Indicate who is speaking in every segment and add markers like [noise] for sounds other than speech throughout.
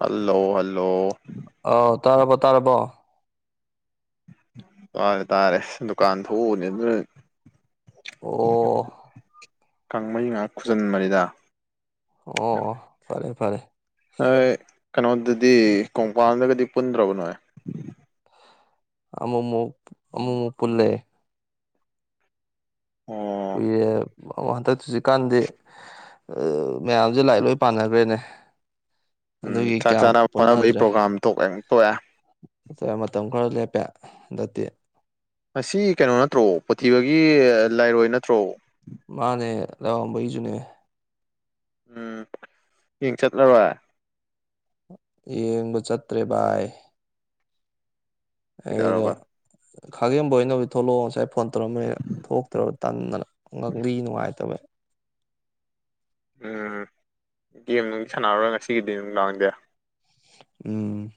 Speaker 1: hello hello
Speaker 2: ꯑ ꯇꯥꯔꯔꯕꯣ ꯇꯥꯔꯔꯕꯣ
Speaker 1: ꯇꯥꯔꯦ ꯇꯥꯔꯦ ꯗꯨꯀꯥꯟ ꯊꯣꯛꯎꯅꯦ ꯑꯗꯨꯅ
Speaker 2: ꯑꯣ
Speaker 1: ꯈꯪꯕꯩ ꯉꯥꯏꯍꯥꯛ ꯈꯨꯖꯤꯟ ꯃꯔꯤꯗ
Speaker 2: ꯑꯣ ꯐꯔꯦ ꯐꯔꯦ
Speaker 1: ꯍꯣꯏ ꯀꯩꯅꯣꯗꯗꯤ ꯀꯣꯡꯄꯜꯗꯒꯗꯤ ꯄꯨꯟꯗ꯭ꯔꯕꯅꯣ
Speaker 2: ꯑꯃꯨꯃꯨ ꯑꯃꯨꯨ ꯄꯨꯜꯂꯦ
Speaker 1: ꯑꯣ
Speaker 2: ꯎꯦ ꯑꯣ ꯍꯟꯗꯛ ꯆꯨꯖꯤꯛꯀꯥꯟꯗꯤ ꯃꯌꯥꯝꯁꯦ ꯂꯥꯏꯔꯤꯛ ꯂꯣꯏ ꯄꯥꯟꯅꯈ꯭ꯔꯦꯅꯦ
Speaker 1: ꯎ
Speaker 2: ꯑꯗꯨꯒꯤ
Speaker 1: ꯆꯥꯛ
Speaker 2: ꯀꯌꯥ
Speaker 1: ꯆꯥꯅꯕ ꯈꯣꯠꯅꯕꯒꯤ ꯄ꯭ꯔꯣꯒ꯭ꯔꯥꯝ ꯇꯑꯦ
Speaker 2: ꯆꯠꯇ ꯃꯇꯝ ꯈꯔ ꯂꯦꯞꯄꯦ ꯅꯇꯤ
Speaker 1: ꯑꯁꯤ ꯀꯩꯅꯣ ꯅꯠꯇ꯭ꯔꯣ ꯄꯨꯊꯤꯕꯒꯤ ꯂꯥꯏꯔꯣꯏ ꯅꯠꯇ꯭ꯔꯣ
Speaker 2: ꯃꯥꯅꯦ ꯂꯩ ꯩꯖꯨꯅꯦ
Speaker 1: ꯎꯝ ꯌꯦꯡ ꯆꯠꯂꯔꯣꯏ
Speaker 2: ꯌꯦꯡꯕ ꯆꯠꯇ꯭ꯔꯦ ꯚꯥꯏ ꯑꯩꯗꯣ
Speaker 1: ꯀꯩꯗꯧꯔꯕ
Speaker 2: ꯈꯥꯒꯦꯝꯕ ꯑꯣꯏꯅꯕꯨ ꯊꯣꯛꯂꯛꯑꯣ ꯉꯁꯥꯏ ꯐꯣꯟ ꯇꯧꯔꯃꯦꯅ ꯊꯣꯛꯇ꯭ꯔꯕ ꯇꯟꯗꯅ ꯉꯛꯂꯤ ꯅꯨꯡꯉꯥꯏꯇꯕ
Speaker 1: ꯎꯝ ꯒꯦꯝ ꯅꯨꯡ ꯁꯥꯟꯅꯔꯔꯣꯏ ꯉꯁꯤꯒꯤꯗꯤ ꯑꯗꯨꯝ ꯂꯥꯡꯗꯦ
Speaker 2: ꯎꯝ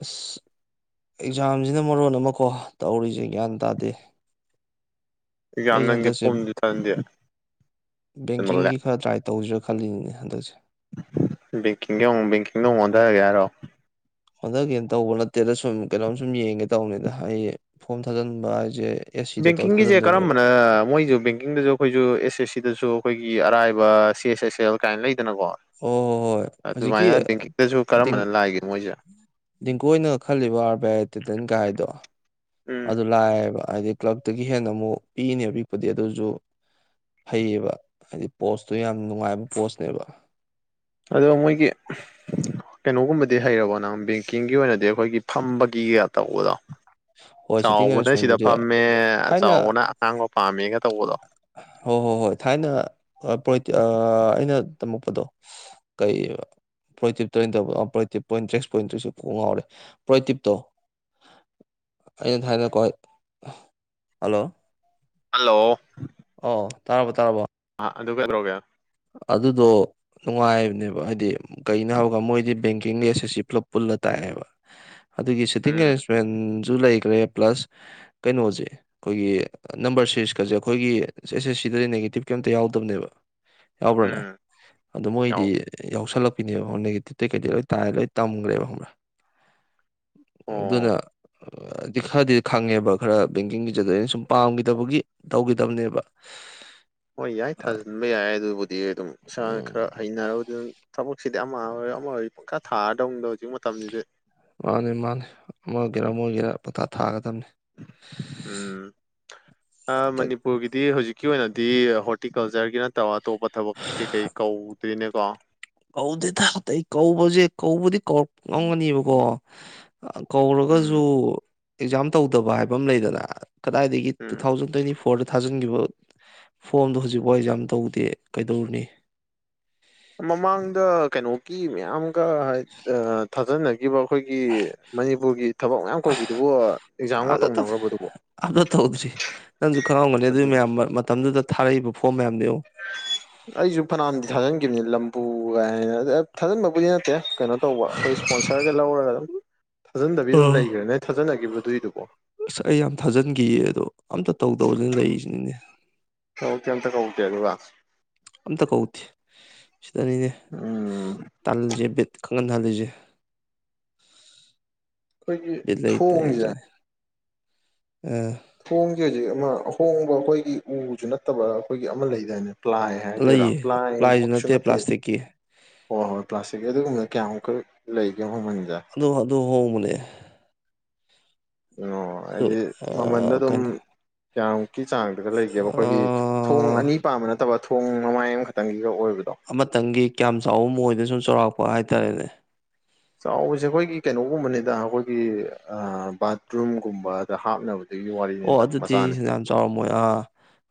Speaker 2: ꯑ ꯑꯦꯛꯖꯥꯝꯁꯤꯅ ꯃꯔꯣꯟ ꯑꯃꯀꯣ ꯇꯧꯔꯤꯁꯦ ꯒ꯭ꯌꯥꯟ ꯇꯥꯗꯦ
Speaker 1: ꯑꯦꯛꯖꯥꯝ
Speaker 2: ꯑꯩꯁꯦ
Speaker 1: ꯅꯪꯒꯤ
Speaker 2: ꯍꯟꯗꯛꯁꯦ
Speaker 1: ꯐꯣꯝꯁꯨ ꯊꯥꯖꯤꯟꯗꯦ ꯍꯦꯟꯃꯜꯂꯦ
Speaker 2: ꯕꯦꯡꯀꯤꯡꯒꯤ ꯈꯔ ꯇ꯭ꯔꯥꯏ ꯇꯧꯖꯒ ꯈꯂꯤꯅꯤꯅꯦ ꯍꯟꯊꯁꯦ
Speaker 1: ꯦꯡꯀꯤꯡ ꯕꯦꯡꯀꯤꯡꯗ ꯍꯣꯡꯉꯣꯗꯔꯒꯦꯔꯣ
Speaker 2: ꯍꯟꯗꯛꯀꯤꯅ ꯇꯧꯕ ꯅꯠꯇꯦꯗ ꯁꯨꯝ ꯀꯩꯅꯣꯝ ꯁꯨꯝ ꯌꯦꯡꯒꯦ ꯇꯧꯕꯅꯤꯗ ꯑꯩ ꯐꯣꯝ ꯊꯥꯖꯤꯟꯕ ꯍꯥꯏꯁꯦ ꯑꯦꯁ ꯁꯤꯗ ꯇꯧꯔ
Speaker 1: ꯕꯦꯡꯀꯤꯡꯒꯤꯁꯦ
Speaker 2: ꯊꯥꯖꯤꯟꯗꯣꯏꯅꯦꯕ
Speaker 1: ꯀꯔꯝꯕꯅ ꯃꯣꯏꯁꯨ ꯕꯦꯡꯀꯤꯡꯗꯁꯨ ꯑꯩꯈꯣꯏꯁꯨ ꯑꯦꯁ ꯑꯦꯁ ꯁꯤꯗꯁꯨ ꯑꯩꯈꯣꯏꯒꯤ ꯑꯔꯥꯏꯕ ꯑꯁꯤꯦꯦ ꯀꯥꯏꯅ ꯂꯩꯗꯅꯀꯣ
Speaker 2: ꯑꯣ ꯍꯣꯏ ꯍꯣꯏ ꯍꯧꯖꯤꯛꯀꯤ
Speaker 1: ꯑꯗꯨꯃꯥꯏꯅ ꯕꯦꯡꯀꯤꯛꯇꯁꯨ ꯀꯔꯝꯕꯅ ꯂꯥꯏꯒꯦ ꯃꯣꯏꯁꯦ
Speaker 2: ꯂꯤꯡꯀꯣꯏꯅꯒ ꯈꯜꯂꯤꯕ ꯑꯥꯔꯚꯇꯤꯗꯟ ꯀꯥꯏꯗꯣ
Speaker 1: ꯎꯝ
Speaker 2: ꯑꯗꯨ ꯂꯥꯛꯑꯦꯕ ꯍꯥꯏꯗꯤ ꯀ꯭ꯂꯞꯇꯒꯤ ꯍꯦꯟꯅ ꯑꯃꯨꯛ ꯄꯤꯛꯅꯦꯕ ꯄꯤꯛꯄꯗꯤ ꯑꯗꯨꯁꯨ ꯐꯩꯌꯦꯕ ꯍꯥꯏꯗꯤ ꯄꯣꯁꯇꯨ ꯌꯥꯝ ꯅꯨꯡꯉꯥꯏꯕ ꯄꯣꯁꯅꯦꯕ
Speaker 1: ꯑꯗꯨꯒ ꯃꯣꯏꯒꯤ ꯀꯩꯅꯣꯒꯨꯝꯕꯗꯤ ꯍꯩꯔꯕꯣ ꯅꯪ ꯕꯦꯡꯀꯤꯡꯒꯤ ꯑꯣꯏꯅꯗꯤ ꯑꯩꯈꯣꯏꯒꯤ ꯐꯝꯕꯒꯤꯒ ꯇꯧꯕꯗꯣ
Speaker 2: ꯍꯣꯏ ꯁꯤꯇꯤꯡ
Speaker 1: ꯆꯥꯎꯕꯅ ꯁꯤꯗ
Speaker 2: ꯑꯦꯔꯦꯟꯖꯃꯦꯟꯗꯨꯗꯤ
Speaker 1: ꯐꯝꯃꯦ
Speaker 2: ꯊꯥꯏꯅ
Speaker 1: ꯆꯥꯎꯕꯅ ꯑꯉꯥꯡꯕ ꯄꯥꯝꯃꯦꯒ ꯇꯧꯕꯗꯣ
Speaker 2: ꯍꯣꯏ ꯍꯣꯏ ꯍꯣꯏ ꯊꯥꯏꯅ ꯑꯩꯅ ꯇꯝꯃꯛꯄꯗꯣ ꯀꯩꯕ ꯄ꯭ꯔꯇꯤꯞ ꯇ ꯇ ꯄ꯭ꯔꯇꯤ ꯄꯣꯏꯟ ꯇꯔꯤꯛꯁꯣꯏꯟ ꯇ꯭ꯔꯤꯁꯨ ꯉꯥꯎꯔꯦ ꯄ꯭ꯔꯇꯤꯇꯣ
Speaker 1: ꯍ
Speaker 2: ꯑꯩꯅ ꯊꯅ ꯀꯣꯏ ꯍꯜꯂꯣ
Speaker 1: ꯍꯜꯂꯣ
Speaker 2: ꯑꯣ ꯇꯥꯔꯕꯣ ꯇꯥꯔꯕꯣ
Speaker 1: ꯑ ꯑꯗꯨ ꯀꯗꯧꯣꯒꯦ
Speaker 2: ꯑꯗꯨꯗꯣ ꯅꯨꯡꯉꯥꯏꯕꯅꯦꯕ ꯍꯥꯏꯗꯤ ꯀꯩꯅꯣ ꯍꯥꯏꯕꯔꯒ ꯃꯣꯏꯗꯤ ꯕꯦꯡꯀꯤꯡ ꯂꯦꯁ ꯑꯁꯤ ꯄꯨꯂꯞ ꯄꯨꯜꯂ ꯇꯥꯛꯑꯦꯕ
Speaker 1: [unintelligible]
Speaker 2: ꯑꯗꯨꯒꯤ ꯁꯤꯇꯤꯡ
Speaker 1: ꯎꯝ
Speaker 2: ꯑꯦꯔꯦꯟꯖꯃꯦꯟꯁꯨ ꯂꯩꯈ꯭ꯔꯦ ꯄ꯭ꯂꯁ ꯀꯩꯅꯣꯁꯦ ꯑꯩꯈꯣꯏꯒꯤ ꯅꯝꯕꯔ ꯁꯤꯔꯤꯁꯀꯁꯦ ꯑꯩꯈꯣꯏꯒꯤ ꯑꯦꯁ ꯑꯦꯁ ꯁꯤꯗꯗꯤ ꯅꯦꯒꯦꯇꯤꯞ ꯀ ꯎ
Speaker 1: ꯎꯝ
Speaker 2: ꯃ
Speaker 1: ꯌꯥꯎ
Speaker 2: ꯌꯥꯎ ꯦꯇꯤꯞꯇꯩ ꯀꯩ ꯂꯣꯏ ꯇꯥꯏ ꯂꯣꯏ ꯇꯝꯈ꯭ꯔꯦꯕ
Speaker 1: ꯑꯣ
Speaker 2: ꯑꯗꯨꯅ ꯍꯥꯏꯗꯤ ꯈꯔꯗꯤ ꯈꯪꯉꯦꯕ ꯈꯔ ꯕꯦꯡꯀꯤꯡꯒꯤ ꯆꯠ ꯑꯗꯨ ꯑꯩꯅ ꯁꯨꯝ ꯄꯥꯝꯈꯤꯗꯕꯒꯤ ꯇꯧꯈꯤꯗꯕꯅꯦꯕ
Speaker 1: ꯗꯤ ꯑꯗꯨꯝ ꯏꯁꯥꯅ
Speaker 2: ꯎꯝ
Speaker 1: ꯈꯔ ꯍꯩꯅꯔꯔꯕꯗꯤ ꯑꯗꯨꯝ ꯊꯕꯛꯁꯤꯗꯤ ꯑꯃ ꯑꯣꯏ ꯑꯃ ꯑꯣꯏ ꯄꯨꯡꯈꯥ ꯊꯥꯔꯗꯧꯗ
Speaker 2: ꯃꯥꯅꯤ ꯃꯥꯅꯤ ꯑꯃꯒꯦꯔꯥ ꯑꯃ ꯑꯣꯏꯒꯦꯔ ꯄꯣꯊ ꯊꯥꯒꯗꯥ
Speaker 1: ꯎꯝ
Speaker 2: ꯑꯇꯩ
Speaker 1: ꯃꯅꯤꯄꯨꯔꯒꯤꯗꯤ ꯍꯧꯖꯤꯛ ꯀꯤ ꯑꯣꯏꯅꯗꯤ ꯍꯣꯔꯇꯤꯀꯜꯆꯔꯒꯤ ꯅꯠꯇꯕ ꯑꯇꯣꯞꯄ ꯊꯕꯛ ꯀꯩꯀꯩ ꯀꯧꯗꯣꯏꯅꯦꯀꯣ
Speaker 2: ꯀꯧꯗꯦ ꯊꯦ ꯀꯧꯕꯁꯦ ꯀꯧꯕꯗꯤ ꯀꯧꯔꯛ ꯉꯝꯒꯅꯤꯕꯀꯣ
Speaker 1: ꯎꯝ
Speaker 2: ꯀꯧꯔꯒꯁꯨ ꯑꯦꯛꯖꯥꯝ ꯇꯧꯗꯕ ꯍꯥꯏꯕ ꯑꯃ ꯂꯩꯗꯅ ꯀꯗꯥꯏꯗꯒꯤ two
Speaker 1: um
Speaker 2: thousand twenty four ꯐꯣꯔꯗ ꯊꯥꯖꯤꯟꯈꯤꯕ ꯐꯣꯝꯗꯣ ꯍꯧꯖꯤꯛꯐꯥꯎꯁ ꯌꯥꯝ ꯇꯧꯗꯦ ꯀꯩꯗꯧꯔꯅꯤ
Speaker 1: ꯃꯃꯥꯡꯗ ꯀꯩꯅꯣꯒꯤ ꯃꯌꯥꯝꯒ ꯍꯥꯏ ꯊꯥꯖꯅꯒꯦ ꯑꯩꯈꯣꯏꯒꯤ ꯃꯅꯤꯄꯨꯔꯒꯤ ꯊꯕꯛ ꯃꯌꯥꯝ ꯀꯧꯈꯤꯗꯨꯕꯨ ꯑꯦꯛꯖꯥꯝꯒ ꯇꯧꯅꯈ꯭ꯔꯕꯗꯨꯕꯣ
Speaker 2: ꯑꯞꯂꯣꯗ ꯇꯧꯗ꯭ꯔꯤ ꯅꯪꯁꯨ ꯈꯪꯂꯝꯝꯒꯅꯤ ꯑꯗꯨꯒꯤ
Speaker 1: ꯑꯗꯨ
Speaker 2: ꯃꯌꯥꯝ ꯃꯇꯝꯗꯨꯗ ꯊꯥꯔꯛꯏꯕ ꯐꯣꯝ ꯃꯌꯥꯝ
Speaker 1: ꯑꯩꯁꯨ ꯐꯅꯥꯟꯗꯤ ꯊꯥꯖꯤꯟꯈꯤꯕꯅꯤ ꯂꯝꯕꯨ ꯀꯥꯏꯅ ꯊꯥꯖꯤꯟꯕꯕꯨꯗꯤ ꯅꯠꯇꯦ ꯀꯩꯅꯣ ꯇꯧꯕ ꯑꯩꯈꯣꯏ ꯏꯁꯄꯣꯟꯁꯔꯗ ꯂꯧꯔꯒ ꯑꯗꯨꯝ ꯊꯥꯖꯟꯗꯕꯤ ꯑꯗꯨꯝ ꯂꯩꯈ꯭ꯔꯦ ꯅ ꯊꯥꯖꯟꯅꯈꯤꯕꯗꯨꯏꯗꯨꯕꯣ
Speaker 2: ꯑꯁ ꯑꯩ ꯌꯥꯝ ꯊꯥꯖꯤꯟꯈꯤꯌꯦ ꯑꯗꯣ ꯑꯝꯇ ꯇꯧꯗꯕꯁꯤꯅ ꯂꯩꯔꯤꯁꯤꯅꯤꯅꯦ
Speaker 1: ꯀꯧꯀꯦ ꯑꯝꯇ ꯀꯧꯗꯦ ꯑꯗꯨꯒ
Speaker 2: ꯑꯝꯇ ꯀꯧꯗꯦ ꯁꯤꯗꯅꯤꯅꯦ
Speaker 1: ꯎꯝ
Speaker 2: ꯇꯜꯂꯤꯁꯦ ꯕꯦꯠ ꯈꯪꯍꯟꯊꯍꯜꯂꯤꯁꯦ
Speaker 1: ꯑꯩꯈꯣꯏꯒꯤ
Speaker 2: ꯏꯗ ꯂꯩꯇ
Speaker 1: ꯊꯣꯡꯁꯦ
Speaker 2: ꯏꯇ ꯑ
Speaker 1: ꯊꯣꯡꯁꯦ ꯍꯧꯖꯤꯛ ꯑꯃ ꯑꯍꯣꯡꯕ ꯑꯩꯈꯣꯏꯒꯤ ꯎꯁꯨ ꯅꯠꯇꯕ ꯑꯩꯈꯣꯏꯒꯤ ꯑꯃ ꯂꯩꯗꯥꯏꯅꯦ ꯄ꯭ꯂꯥꯏ ꯍꯥꯏꯗꯣꯏꯔꯥ
Speaker 2: ꯂꯩꯌꯦ
Speaker 1: ꯄ꯭ꯂꯥꯏ
Speaker 2: ꯄ꯭ꯂꯥꯏꯁꯨ
Speaker 1: ꯃꯛꯁꯨ ꯅꯠꯇꯦ
Speaker 2: ꯄ꯭ꯂꯥꯁꯇꯤꯛꯀꯤ
Speaker 1: ꯍꯣꯏ ꯍꯣꯏ ꯄ꯭ꯂꯥꯁꯇꯤꯛꯀꯤ ꯑꯗꯨꯒꯨꯝꯕ ꯀꯌꯥꯃꯨꯀꯜ ꯂꯩ
Speaker 2: ꯑꯗꯨ ꯑꯗꯨ ꯍꯣꯡꯕꯅꯦ
Speaker 1: ꯑꯣ
Speaker 2: ꯑꯗꯨ
Speaker 1: ꯍꯥꯏꯗꯤ ꯃꯃꯟꯗ ꯑꯗꯨꯝ
Speaker 2: ꯀꯩꯅꯣ
Speaker 1: ꯀꯌꯥꯃꯨꯛꯀꯤ ꯆꯥꯡꯗꯨꯗ ꯂꯩꯒꯦꯕ ꯑꯩꯈꯣꯏꯒꯤ ꯊꯣꯡ ꯑꯅꯤ ꯄꯥꯝꯕ ꯅꯠꯇꯕ ꯈꯣꯡ ꯃꯃꯥꯏ ꯑꯃꯈꯛꯇꯪꯒꯤꯒ ꯑꯣꯏꯕ
Speaker 2: ꯑꯃꯇꯪꯒꯤ ꯀꯌꯥꯝ ꯆꯥꯎꯕ ꯃꯣꯏꯗ ꯁꯨꯝ ꯆꯥꯎꯔꯥꯛꯄ ꯍꯥꯏꯇꯥꯔꯦꯅꯦ
Speaker 1: ꯆꯥꯎꯕꯁꯦ ꯑꯩꯈꯣꯏꯒꯤ ꯀꯩꯅꯣꯒꯨꯝꯕꯅꯤꯗ ꯑꯩꯈꯣꯏꯒꯤ ꯕꯥꯊꯔꯨꯝꯒꯨꯝꯕꯗ ꯍꯥꯞꯅꯕꯅꯦ
Speaker 2: ꯑꯣ ꯑꯗꯨꯗꯤ ꯌꯥꯝ ꯆꯥꯎꯔꯝꯃꯣꯏ ꯑꯥ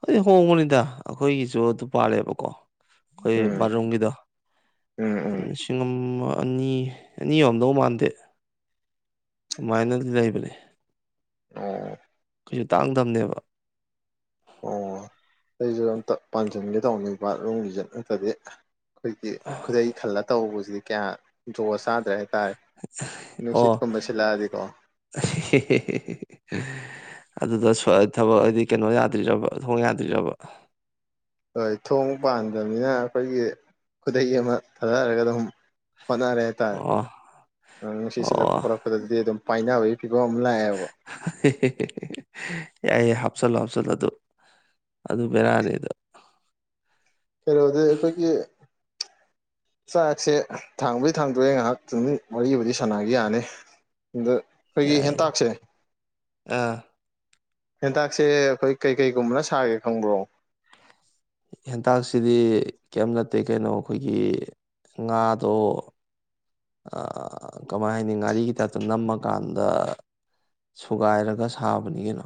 Speaker 2: ꯑꯗꯨ ꯍꯣꯡꯉꯨꯅꯤꯗ ꯑꯩꯈꯣꯏꯒꯤꯁꯨ ꯑꯗꯨꯄꯥꯥꯜꯂꯦꯕꯀꯣ ꯑꯩꯈꯣꯏ
Speaker 1: ꯎꯝ
Speaker 2: ꯕꯥꯔꯨꯝꯒꯤꯗ
Speaker 1: ꯎꯝ ꯎꯝ
Speaker 2: ꯂꯤꯁꯤꯡ ꯑꯃ ꯑꯅꯤ ꯑꯅꯤ ꯑꯝꯗꯧ ꯃꯥꯟꯗꯦ ꯑꯗꯨꯃꯥꯏꯅꯗꯤ ꯂꯩꯕꯅꯦ
Speaker 1: ꯑꯣ
Speaker 2: ꯀꯩꯁꯨ ꯇꯥꯡꯗꯝꯕꯅꯦꯕ
Speaker 1: ꯑꯣ ꯑꯩꯁꯨ ꯑꯝꯇ ꯄꯥꯟꯁꯤꯟꯒꯦ ꯇꯧꯅꯦꯕ ꯔꯨꯝꯒꯤꯁꯠ ꯉꯇꯗꯤ ꯑꯩꯈꯣꯏꯒꯤ ꯈꯨꯗꯩ ꯈꯜꯂ ꯇꯧꯕꯁꯤꯗꯤ ꯀꯌꯥ ꯣ ꯆꯥ ꯭ꯔ ꯍꯥꯏꯇꯥꯔꯦ
Speaker 2: ꯑꯣ
Speaker 1: ꯅꯨꯡꯁꯤꯠꯀꯨꯝꯕ ꯁꯤꯂꯛꯑꯗꯤꯀꯣ
Speaker 2: [unintelligible] ꯑꯗꯨꯗ ꯊꯕꯛ ꯍꯥꯏꯗꯤ ꯀꯩꯅꯣ ꯌꯥꯗ꯭ꯔꯤꯕ ꯊꯣꯡ ꯌꯥꯗ꯭ꯕ
Speaker 1: ꯍꯣꯏ ꯊꯣꯡ ꯄꯥꯟꯗꯕꯅꯤꯅ ꯑꯩꯈꯣꯏꯒꯤ ꯈꯨꯗꯩ ꯑꯃ ꯊꯥꯗꯔꯒ ꯑꯗꯨꯝ ꯍꯣꯠꯅꯔꯦ ꯍꯥꯏꯇꯥꯔꯦ
Speaker 2: ꯑꯣ
Speaker 1: ꯁꯤꯁꯤꯜꯂꯛꯄ
Speaker 2: ꯑꯣ
Speaker 1: ꯈꯣꯠꯂꯛꯄꯗꯗꯤ ꯑꯗꯨꯝ ꯄꯥꯏꯅꯕꯏ
Speaker 2: ꯌꯥ ꯍꯥꯞꯁꯜ ꯍꯥꯞꯁꯜꯗ ꯑꯗꯨ ꯑꯗꯨ ꯕꯤꯔꯅꯤꯗ
Speaker 1: ꯀꯩꯅꯣꯗꯤ ꯑꯩꯈꯣꯏꯒꯤ ꯆꯥꯛꯁꯦ ꯊꯥꯡꯕꯩ ꯊꯥꯡꯗꯣꯏꯦ ꯉꯥꯏꯍꯥꯛ ꯆꯨꯡꯃꯤꯠ ꯃꯔꯤꯕꯕꯨꯗꯤ ꯁꯅꯒ ꯌꯥꯅꯤ ꯑꯗ ꯑꯩꯈꯣꯏꯒꯤ
Speaker 2: ꯌꯥꯏ
Speaker 1: ꯍꯦꯟꯇꯥꯛꯁꯦ
Speaker 2: ꯑꯥ
Speaker 1: ꯍꯦꯟꯇꯥꯛꯁꯦ ꯑꯩꯈꯣꯏ ꯀꯩꯀꯩꯒꯨꯝꯕꯅ ꯁꯥꯒꯦ ꯈꯪꯕ꯭ꯔꯣ
Speaker 2: ꯍꯦꯟꯇꯥꯛꯁꯤꯗꯤ ꯀꯔꯤꯝ ꯅꯠꯇꯦ ꯀꯩꯅꯣ ꯑꯩꯈꯣꯏꯒꯤ ꯉꯥꯗꯣ ꯀꯃꯥꯏ ꯍꯥꯏꯅꯤ ꯉꯥꯔꯤꯒꯤꯇꯞꯇ ꯅꯝꯃꯀꯥꯟꯗ ꯁꯨꯒꯥꯏꯔꯒ ꯁꯥꯕꯅꯤ ꯀꯩꯅꯣ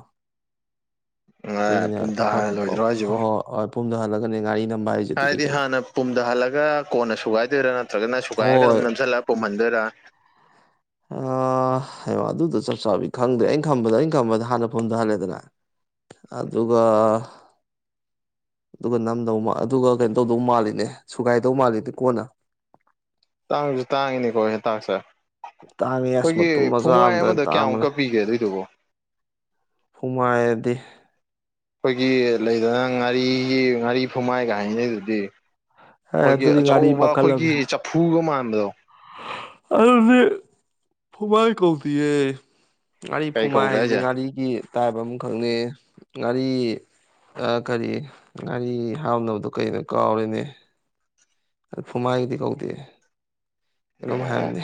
Speaker 2: ꯀꯨꯏꯅ ꯈꯔ
Speaker 1: ꯄꯨꯝꯊꯥꯅ ꯂꯣꯏꯗ꯭ꯔꯣ ꯍꯥꯏꯁꯤꯕꯣ
Speaker 2: ꯍꯣꯏ ꯍꯣꯏ ꯄꯨꯝꯗꯍꯜꯂꯒꯅꯦ ꯉꯥꯔꯤꯅ
Speaker 1: ꯍꯥꯏꯗꯤ ꯍꯥꯟꯅ ꯄꯨꯝꯗ ꯍꯜꯂꯒ ꯀꯣꯟꯅ ꯁꯨꯒꯥꯏꯗꯣꯏꯔꯥ ꯅꯠꯇ꯭ꯔꯒꯅ ꯁꯨꯒꯥꯏꯔꯒ
Speaker 2: ꯍꯣꯏ
Speaker 1: ꯑꯗꯨꯝ ꯅꯝꯁꯤꯜꯂ ꯄ ꯃꯗꯔ
Speaker 2: ꯍꯡ ꯑꯗꯨꯗꯣ ꯆꯞ ꯆꯥꯕꯕꯤ ꯈꯪꯗ꯭ꯔꯦ ꯑꯩꯅ ꯈꯝꯕꯗ ꯑꯩꯅ ꯈꯝꯕꯗ ꯍꯥꯟꯅ ꯐꯣꯟꯊꯍꯜꯂꯦꯗꯅ ꯑꯗꯨꯒ ꯑꯗꯨꯒ ꯅꯝꯗꯧ ꯑꯗꯨꯒ ꯀꯩꯅꯣ ꯇꯧꯗꯧ ꯃꯥꯜꯂꯤꯅꯦ ꯁꯨꯒꯥꯏꯗꯧ ꯃꯥꯜꯂꯤꯅꯦ ꯀꯣꯟꯅ
Speaker 1: ꯇꯥꯡꯁꯨ ꯇꯥꯡꯉꯤꯅꯤ ꯀꯣꯁꯦ ꯇꯥꯛꯁꯦ
Speaker 2: ꯇꯥꯡꯉꯦ ꯑꯁ
Speaker 1: ꯑꯩꯈꯣꯏꯒꯤ
Speaker 2: ꯃꯇꯨꯝ ꯃꯆꯥ
Speaker 1: ꯐꯨꯃꯥꯏ
Speaker 2: ꯑꯝꯗ
Speaker 1: ꯑꯃꯗ
Speaker 2: ꯇꯥꯡꯕꯅꯦ
Speaker 1: ꯀꯌꯥꯃꯨꯛꯀ ꯄꯤꯒꯦ ꯑꯗꯨꯏꯗꯨꯕꯣ
Speaker 2: ꯐꯨꯃꯥꯏꯗꯤ
Speaker 1: ꯑꯩꯈꯣꯏꯒꯤ ꯂꯩꯗꯅ ꯉꯥꯔꯤꯒꯤ ꯉꯥꯔꯤ ꯐꯨꯝꯃꯥꯏꯒꯥꯏꯉꯩꯗꯨꯗꯤ
Speaker 2: ꯍꯦ
Speaker 1: ꯑꯩꯈꯣꯏꯒꯤ
Speaker 2: ꯑꯗꯨꯗꯤ ꯉꯥꯔꯤ
Speaker 1: ꯑꯆꯧꯕ ꯑꯩꯈꯣꯏꯒꯤ ꯆꯐꯨꯒ ꯃꯥꯟꯕꯗꯣ
Speaker 2: ꯑꯔ ꯐꯨꯃꯥꯏ ꯀꯧꯗꯤꯦ ꯉꯥꯔꯤ
Speaker 1: ꯀꯔꯤ
Speaker 2: ꯐꯨꯃꯥꯏ
Speaker 1: ꯀꯧꯒꯦ
Speaker 2: ꯍꯥꯏꯁꯤꯗꯤ
Speaker 1: ꯍꯥꯏꯁꯦ
Speaker 2: ꯉꯥꯔꯤꯒꯤ ꯇꯥꯏꯞ ꯑꯃꯈꯛꯅꯤ ꯉꯥꯔꯤ ꯑ ꯀꯔꯤ ꯉꯥꯔꯤ ꯍꯥꯞꯅꯕꯗꯣ ꯀꯩꯅꯣ ꯀꯥꯎꯔꯤꯅꯦ ꯑꯗꯨ ꯐꯨꯃꯥꯏꯒꯤꯗꯤ ꯀꯧꯗꯦ ꯀꯩꯅꯣꯝ ꯍꯥꯏꯔꯝꯅꯦ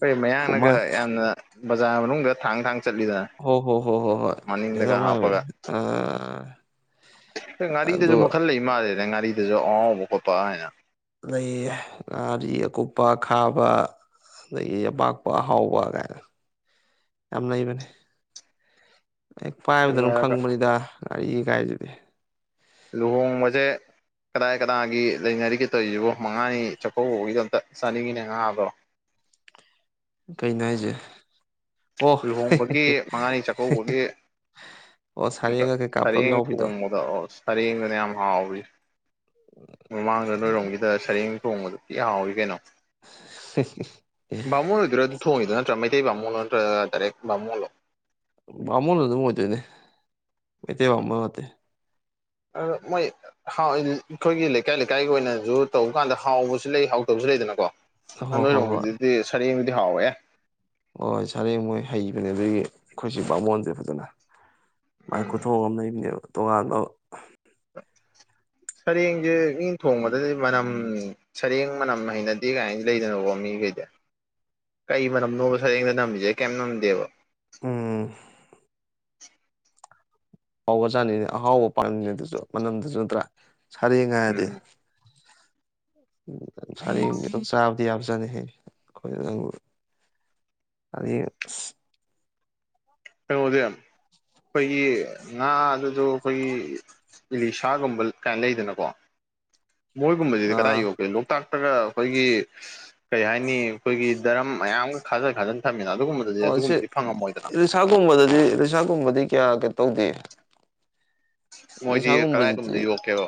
Speaker 1: ꯍꯣꯏ ꯃꯌꯥꯅꯒ
Speaker 2: ꯐꯨꯃꯥꯏ
Speaker 1: ꯌꯥꯝꯅ ꯕꯖꯥꯔ ꯃꯅꯨꯡꯗ ꯊꯥꯡ ꯊꯥꯡ ꯆꯠꯂꯤꯗꯅ
Speaker 2: ꯍꯣ ꯍꯣ ꯍꯣ ꯍꯣ ꯍꯣꯏ ꯑꯗꯨꯩꯅ
Speaker 1: ꯃꯅꯤꯡꯗꯒ ꯍꯥꯞꯄꯒ
Speaker 2: ꯍꯥꯏꯥꯏꯃꯦꯅꯦ ꯑ
Speaker 1: ꯉꯥꯔꯤꯗꯁꯨ ꯃꯈꯟ ꯂꯩ ꯃꯥꯜꯂꯦꯅꯦ ꯉꯥꯔꯤꯗꯁꯨ ꯑꯍꯥꯎꯕ ꯈꯣꯠꯄ ꯍꯥꯏꯅ
Speaker 2: ꯑꯗꯗꯒꯤ ꯉꯥꯔꯤ ꯑꯀꯨꯞꯄ ꯈꯥꯕ ꯑꯗꯒꯤ ꯑꯄꯥꯛꯄ ꯑꯍꯥꯎꯕ ꯀꯥꯏꯅ ꯌꯥꯝ ꯂꯩꯕꯅꯦ ꯍ ꯄꯥꯏꯕꯗ ꯑꯗꯨꯝ
Speaker 1: ꯑꯗꯨꯒ
Speaker 2: ꯈꯪꯕꯅꯤꯗ ꯉꯥꯔꯤꯒꯥꯏꯗꯨꯗꯤ
Speaker 1: ꯂꯨꯍꯣꯡꯕꯁꯦ ꯀꯗꯥꯏ ꯀꯗꯥꯏꯒꯤ ꯂꯩꯅꯔꯤꯒꯦ ꯇꯧꯔꯤꯕꯣ ꯃꯉꯥꯅꯤ ꯆꯥꯛꯀꯧꯕꯒꯤꯗꯣ ꯑꯝꯇ ꯆꯥꯅꯤꯡꯉꯤꯅꯦ ꯉꯥꯕ꯭ꯔꯣ [unintelligible]
Speaker 2: ꯀꯩꯅꯣ ꯍꯥꯏꯁꯦ ꯑꯣ
Speaker 1: ꯂꯨꯍꯣꯡꯕꯒꯤ ꯃꯉꯥꯅꯤ ꯆꯥꯛꯀꯧꯕꯒꯤ
Speaker 2: ꯑꯣ ꯁꯔꯦꯡꯒ ꯀꯩꯀꯥ ꯄꯨꯂꯞ
Speaker 1: ꯁꯔꯦꯡ
Speaker 2: ꯌꯥꯎꯕꯤꯗꯣ
Speaker 1: ꯊꯣꯡꯕꯗ ꯑꯣ ꯁꯔꯦꯡꯗꯨꯅ ꯌꯥꯝ ꯍꯥꯎꯋꯤ ꯃꯃꯥꯡꯗ ꯂꯣꯏꯔꯣꯝꯒꯤꯗ ꯁꯔꯦꯡ ꯊꯣꯡꯕꯗ ꯀ ꯍꯥꯎꯋꯤ ꯀꯩꯅꯣ
Speaker 2: ꯁꯤ
Speaker 1: ꯕꯥꯃꯣꯟ ꯑꯣꯏꯗꯣꯏꯔꯥ ꯑꯗꯨ ꯊꯣꯡꯉꯤꯗꯣ ꯅꯠꯇ꯭ꯔꯥ ꯃꯩꯇꯩ ꯕꯥꯃꯨꯅꯣ ꯅꯠꯇ꯭ꯔꯒ ꯇꯗꯥꯔꯦꯛ ꯕꯥꯃꯨꯜꯂꯣ
Speaker 2: ꯋꯥꯃꯣ ꯅ ꯑꯗꯨ ꯃꯇꯅꯦ ꯃꯇꯩ ꯋꯥꯃꯠꯇꯦ
Speaker 1: ꯑ ꯃꯣꯏ ꯑꯩꯈꯣꯏꯒꯤ ꯂꯩꯀꯥꯏ ꯂꯩꯀꯥꯏꯒꯤ ꯑꯣꯏꯅꯁꯨ ꯇꯧꯕ ꯀꯥꯟꯗ ꯍꯥꯎꯕꯁꯨ ꯂꯩ ꯍꯥꯎꯗꯕꯁꯨ ꯑꯗꯨꯩꯗꯅꯀꯣ ꯅ
Speaker 2: ꯍꯣꯏ ꯍꯣꯏ ꯍꯣꯏ
Speaker 1: ꯅꯣꯏꯔꯣꯡꯁꯤꯗꯤ ꯁꯔꯦꯡꯕꯨꯗꯤ ꯍꯥꯎꯋꯦ
Speaker 2: ꯍꯣꯏ ꯁꯥꯔꯦꯡ ꯃꯣꯏ ꯍꯩꯕꯅꯦ ꯑꯗꯨꯗꯒꯤ ꯑꯩꯈꯣꯏꯁꯨ ꯄꯕꯥꯃꯣꯟꯗ꯭ꯔꯦ ꯐꯖꯅ ꯃꯥꯏ
Speaker 1: ꯎꯝ
Speaker 2: ꯈꯨꯊꯣꯛꯑ ꯑꯃ ꯂꯩꯕꯅꯦꯕ ꯇꯣꯉꯥꯟꯕ
Speaker 1: [inaudible] ꯁꯔꯦꯡꯁꯦ ꯃꯤ ꯊꯣꯡꯕꯗꯗꯤ ꯃꯅꯝ ꯁꯔꯦꯡ ꯃꯅꯝ ꯍꯩꯅꯗꯦ ꯀꯥꯏꯅꯗꯤ ꯂꯩꯗꯅ ꯃꯤꯈꯩꯗ ꯀꯩ ꯃꯔꯅꯝꯅꯣꯕ ꯁꯔꯦꯡꯗ ꯅꯝꯃꯤꯁꯦ ꯀꯩꯝ ꯅꯝꯗꯦꯕ
Speaker 2: ꯎꯝ ꯑꯍꯥꯎꯕ ꯆꯥꯠꯅꯤꯡꯅꯤ ꯑꯍꯥꯎꯕ ꯄꯥꯝꯃꯤꯉ ꯑꯗꯨꯁꯨ ꯃꯅꯝꯗꯨꯁꯨ ꯅꯠꯇ꯭ꯔꯥ ꯁꯥꯔꯦꯡ ꯍꯥꯏꯔꯗꯤ
Speaker 1: ꯎꯝ
Speaker 2: [unintelligible] ꯗꯤ ꯌꯥꯕ ꯆꯅ ꯍꯦ ꯑꯩꯈꯣꯏꯕꯨ ꯑꯅꯤ
Speaker 1: ꯀꯩꯅꯣꯗꯤ ꯑꯩꯈꯣꯏꯒꯤ ꯉꯥ ꯑꯗꯨꯗ ꯑꯩꯈꯣꯏꯒꯤ ꯏꯂꯤꯁꯥꯒꯨꯝꯕ ꯀꯥꯏ ꯂꯩꯗꯅꯀꯣ ꯃꯣꯏꯒꯨꯝꯕꯁꯤꯗꯤ ꯀꯗꯥꯏ
Speaker 2: ꯑꯥ
Speaker 1: ꯌꯣꯛꯒꯦ ꯂꯣꯛꯇꯥꯛ ꯈꯔ ꯑꯩꯈꯣꯏꯒꯤ ꯀꯩ ꯍꯥꯏꯅꯤ ꯑꯩꯈꯣꯏꯒꯤ ꯗꯔꯝ ꯃꯌꯥꯝ ꯑꯃ ꯈꯥꯖꯤꯟ ꯈꯥꯖꯤꯟ ꯊꯝ
Speaker 2: ꯑꯣ ꯁꯤ ꯏꯂꯤꯁꯥꯒꯨꯝꯕꯗꯗꯤ ꯏꯂꯤꯁꯥꯒꯨꯝꯕꯗꯤ ꯀꯌꯥ ꯀꯩ ꯇꯧꯗꯦ
Speaker 1: ꯃꯣꯏꯗꯤ ꯀꯗꯥꯏꯒꯨꯝꯕꯗ
Speaker 2: ꯏꯂꯤꯁꯥꯒꯨꯝꯕꯖꯤꯗꯔꯤ
Speaker 1: ꯌꯣꯛꯀꯦꯕ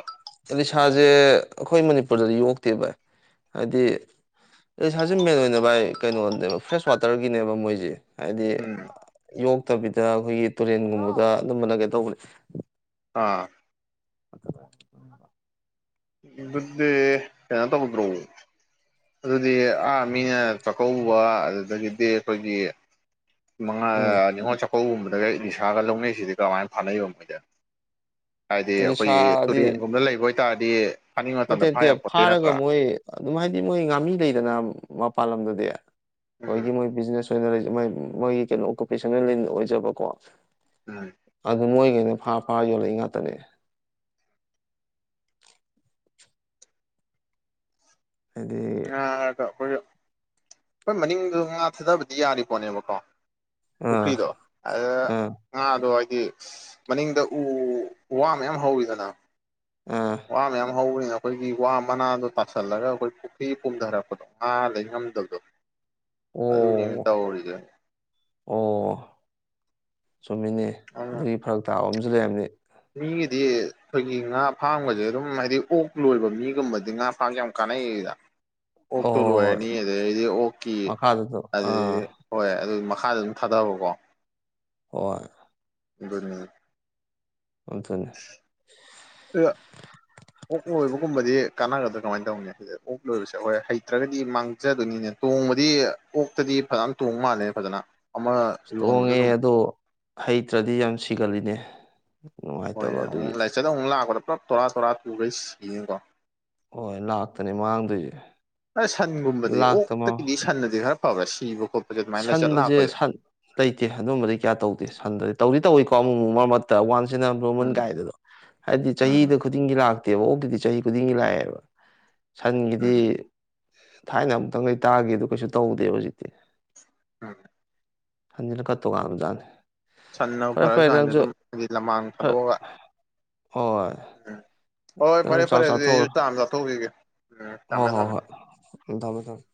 Speaker 2: ꯏꯂꯤꯁꯥꯖꯦ ꯑꯩꯈꯣꯏ ꯃꯅꯤꯄꯨꯔꯗꯗꯤ ꯌꯣꯛꯇꯦꯕ ꯍꯥꯏꯗꯤ ꯏꯂꯤꯁꯖꯦ ꯃꯦꯟ ꯑꯣꯏꯅ ꯚꯥꯏ ꯀꯩꯅꯣꯅꯦꯕ ꯐ꯭ꯔꯦꯁ ꯋꯥꯇꯔꯒꯤꯅꯦꯕ ꯃꯣꯏꯁꯦ ꯍꯥꯏꯗꯤ
Speaker 1: ꯎꯝ
Speaker 2: ꯌꯣꯛꯇꯕꯤꯗ ꯑꯩꯈꯣꯏꯒꯤ ꯇꯨꯔꯦꯟꯒꯨꯝꯕꯗ ꯑꯗꯨꯝꯕꯅ ꯀꯩ ꯇꯧꯕꯅꯦ
Speaker 1: ꯑꯥ
Speaker 2: ꯑ ꯐ
Speaker 1: ꯑꯗꯨꯗꯤ ꯀꯔꯤꯅꯣ ꯇꯧꯕꯗ꯭ꯔꯣ ꯑꯗꯨꯗꯤ ꯑꯥ ꯃꯤꯅ ꯆꯥꯛꯀꯧꯕ ꯑꯗꯨꯗꯒꯤꯗꯤ ꯑꯩꯈꯣꯏꯒꯤ ꯃꯉꯥ
Speaker 2: ꯎꯝ
Speaker 1: ꯅꯤꯉꯣꯜ ꯆꯥꯛꯀꯧꯕꯒꯨꯝꯕꯗꯒ ꯏꯂꯤꯁꯥꯒ ꯂꯧꯅꯩꯁꯤꯗꯤ ꯀꯃꯥꯏꯅ ꯐꯥꯅꯩꯕ ꯃꯣꯏꯗ ꯍꯥꯏꯗꯤ ꯑꯩꯈꯣꯏꯒꯤ
Speaker 2: ꯏꯂꯤꯁꯥꯗꯤ
Speaker 1: ꯇꯨꯔꯦꯟꯒꯨꯝꯕ ꯂꯩꯕ ꯑꯣꯏꯇꯥꯔꯗꯤ ꯐꯥꯅꯤꯡꯕ
Speaker 2: ꯅꯠꯇꯦ
Speaker 1: ꯃꯇꯝꯗ ꯐꯥ
Speaker 2: ꯅꯠꯇꯦ
Speaker 1: ꯌꯥꯄꯣꯠꯇꯦ
Speaker 2: ꯐꯥꯔꯒ
Speaker 1: ꯅꯠꯇ꯭ꯔꯥ
Speaker 2: ꯃꯣꯏ ꯑꯗꯨꯝ ꯍꯥꯏꯗꯤ ꯃꯣꯏ ꯉꯥꯃꯤ ꯂꯩꯗꯅ ꯃꯄꯥꯟ ꯂꯝꯗꯗꯤ ꯑꯩꯈꯣꯏꯒꯤ
Speaker 1: ꯎꯝ
Speaker 2: ꯃꯣꯏ ꯕꯤꯖꯤꯅꯦꯁ ꯑꯣꯏꯅ ꯂꯣꯏ ꯃꯣꯏꯒꯤ ꯀꯩꯅꯣ ꯑꯣꯀꯨꯄꯦꯁꯟꯅꯜꯂꯤ ꯑꯣꯏꯖꯕꯀꯣ
Speaker 1: ꯎꯝ
Speaker 2: ꯑꯗꯨ ꯃꯣꯏ ꯀꯩꯅ ꯐꯥ ꯐꯥ ꯌꯣꯜꯂꯛꯏ ꯉꯥꯛꯇꯅꯦ ꯍꯥꯏꯗꯤ
Speaker 1: ꯑꯩꯈꯣꯏ ꯑꯩꯈꯣꯏ ꯃꯅꯤꯡꯗ ꯉꯥ ꯊꯥꯗꯕꯗꯤ ꯌꯥꯔꯤ ꯄꯣꯠꯅꯦꯕꯀꯣ
Speaker 2: ꯑꯥ
Speaker 1: ꯄꯨꯈ꯭ꯔꯤꯗꯣ
Speaker 2: ꯑꯥ
Speaker 1: ꯑꯗꯉꯥꯗꯣ ꯃꯅꯤꯡꯗ ꯎ ꯋꯥ ꯃꯌꯥꯝ ꯍꯧꯋꯤꯗꯅ
Speaker 2: ꯑꯥ
Speaker 1: ꯋꯥꯃꯌꯥꯝ ꯍꯧꯕꯅꯤꯅꯥ ꯑꯩꯈꯣꯏꯒꯤ ꯋꯥ ꯃꯅꯥꯗꯣ ꯇꯥꯁꯜꯂꯒ ꯑꯩꯈꯣꯏ ꯄꯨꯈ꯭ꯔꯤ ꯄꯨꯝꯊꯔꯛꯄꯗꯣ ꯉꯥ ꯂꯩ ꯉꯝꯗꯕꯗ ꯑꯗꯨ ꯅꯦ
Speaker 2: ꯑꯣ
Speaker 1: ꯇꯧꯔꯤꯖꯤ
Speaker 2: ꯑꯣ ꯆꯨꯝꯃꯤꯅꯦ
Speaker 1: ꯑꯗꯨꯅ
Speaker 2: ꯑꯗꯨꯒꯤ ꯐꯔꯛ ꯇꯥꯕ ꯑꯃꯁꯨ ꯂꯩꯔꯝꯅꯤ
Speaker 1: ꯃꯤꯒꯤꯗꯤ ꯑꯩꯈꯣꯏꯒꯤ ꯉꯥ ꯐꯥꯝꯒꯁꯦ ꯑꯗꯨꯝ ꯍꯥꯏꯗꯤ ꯑꯣꯛ ꯂꯣꯏꯕ ꯃꯤꯒꯨꯝꯕꯗꯤ ꯉꯥ ꯐꯥꯝꯁꯦ ꯌꯥꯝ ꯀꯥꯟꯅꯩ ꯗ ꯑꯣꯛꯇꯣ
Speaker 2: ꯑꯣ ꯍꯣꯏ
Speaker 1: ꯂꯣꯏꯔꯅꯤ ꯑꯗꯨꯗꯤ ꯑꯣꯛꯀꯤ
Speaker 2: ꯃꯈꯥꯗꯁꯨ
Speaker 1: ꯑꯗꯨꯗꯤ
Speaker 2: ꯑꯥ
Speaker 1: ꯍꯣꯏ ꯑꯗꯨ ꯊꯥꯗꯍꯕꯀꯣ
Speaker 2: ꯍ
Speaker 1: ꯒꯗꯅꯦ
Speaker 2: ꯑꯗꯨꯅꯦ
Speaker 1: ꯑꯗꯨꯒ ꯑꯣꯛ ꯂꯣꯏꯕꯒꯨꯝꯕꯗꯤ ꯀꯥꯟꯅꯒꯗ꯭ꯔꯥ ꯀꯃꯥꯏꯅ ꯇꯧꯅꯤ ꯁꯤ ꯑꯣꯛ ꯂꯣꯏꯕꯁꯦ ꯍꯈꯣꯏ ꯍꯩꯇ꯭ꯔꯒꯗꯤ ꯃꯥꯡꯖꯗꯣꯏꯅꯤꯅꯦ ꯇꯣꯡꯉ ꯣꯡꯕꯗꯤ ꯑꯣꯛꯇꯗꯤ ꯐꯖꯅ ꯇꯣꯡ ꯃꯥꯜꯂꯦ ꯐꯖꯅ ꯑꯃ
Speaker 2: ꯑꯁ
Speaker 1: ꯌꯣꯟꯕꯗ
Speaker 2: ꯇꯣꯡꯉꯦ
Speaker 1: ꯑꯗꯨꯝ
Speaker 2: ꯑꯗꯣ ꯍꯩꯇ꯭ꯔꯗꯤ ꯌꯥꯝ ꯁꯤꯒꯜꯂꯤꯅꯦ
Speaker 1: ꯍꯣꯏ
Speaker 2: ꯅꯨꯡꯉꯥꯏꯇꯕ
Speaker 1: ꯌꯥ
Speaker 2: ꯑꯗꯨꯒꯤ
Speaker 1: ꯑꯃꯨꯛ ꯂꯥꯏꯆꯠꯗ ꯑꯃꯨꯛ ꯂꯥꯛꯄꯗ ꯄꯨꯂꯞ ꯇꯣꯔꯥ ꯇꯣꯔꯥ ꯇꯨꯈꯩ ꯁꯤꯅꯤꯀꯣ
Speaker 2: ꯍꯣꯏ ꯂꯥꯛꯇꯅꯦ ꯃꯥꯡꯗꯣꯏꯁꯦ
Speaker 1: ꯑ ꯁꯟꯒꯨꯝꯕꯗꯤ
Speaker 2: ꯂꯥꯛꯇ ꯃꯥ
Speaker 1: ꯑꯣꯛꯇꯀꯤꯗꯤ ꯁꯟꯅꯗꯤ ꯈꯔ ꯐꯕꯔꯥ ꯁꯤꯕ ꯈꯣꯠ ꯄꯥꯁꯦ
Speaker 2: ꯁꯟꯕꯁꯦ ꯁꯟ ꯂꯩꯇꯦ ꯑꯗꯨꯝꯕꯗꯤ ꯀꯌꯥ ꯇꯧꯗꯦ ꯁꯟꯗꯗꯤ ꯇꯧꯔꯤ ꯇꯧꯋꯤꯀꯣ ꯑꯃ ꯃꯔꯛꯇ ꯋꯥꯟꯁꯟ ꯔꯣꯃꯟ
Speaker 1: ꯎꯝ
Speaker 2: ꯒꯥꯏꯗ ꯑꯗꯣ ꯍꯥꯏꯗꯤ
Speaker 1: ꯎꯝ
Speaker 2: ꯆꯍꯤꯗ ꯈꯨꯗꯤꯡꯒꯤ ꯂꯥꯛ ꯇꯦꯕꯇꯗꯤ ꯆꯍꯤ ꯈꯨꯗꯤꯡꯒꯤ ꯂꯥꯛꯑꯦꯕ ꯁꯟꯒꯤꯗꯤ
Speaker 1: ꯎꯝ
Speaker 2: ꯊꯥꯏꯅ ꯑꯃꯨꯛꯇꯪ ꯂꯩ ꯇꯥꯒꯦꯗ ꯀꯩꯁꯨ ꯇꯧꯗꯦꯕ ꯍꯧꯖꯤꯛꯇꯤ
Speaker 1: ꯍ
Speaker 2: ꯍꯂ ꯀꯇꯣꯒ ꯔꯝꯖꯅ
Speaker 1: ꯁꯟꯅ ꯐꯔ ꯆꯥꯡꯗ ꯑꯗꯨꯝ ꯃꯥꯒꯤ ꯂꯃꯥꯡ
Speaker 2: ꯐꯔ
Speaker 1: ꯊꯥꯗꯣꯛꯑꯒ
Speaker 2: ꯍꯣꯏ
Speaker 1: ꯎꯝ ꯍꯣꯏ
Speaker 2: ꯑꯗꯨꯝ
Speaker 1: ꯐꯔꯦ
Speaker 2: ꯆꯥꯛ
Speaker 1: ꯐꯔꯦ ꯑꯗꯨꯗꯤ
Speaker 2: ꯆꯥꯊꯣꯛ
Speaker 1: ꯑꯩꯁꯨ ꯆꯥ ꯑꯃ ꯆꯥꯊꯣꯛꯎꯈꯤꯒꯦ ꯎꯝ
Speaker 2: ꯍ
Speaker 1: ꯊꯝꯃꯦ ꯊꯝꯃꯦ
Speaker 2: ꯍꯣꯏ ꯍꯣꯏ ꯊꯃꯦ ꯊꯝꯃꯦ